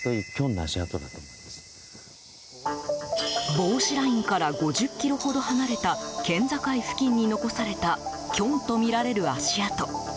防止ラインから５０ｋｍほど離れた県境付近に残されたキョンとみられる足跡。